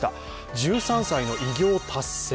１３歳の偉業達成。